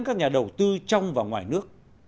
các nhà đầu tư trong và ngoài nước